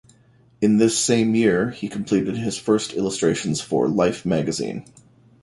In this same year, he completed his first illustrations for "Life" magazine.